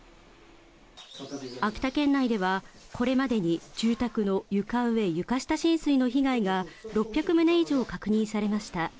秋田県内ではこれまでに住宅の床上・床下浸水の被害が６００棟以上、確認されました。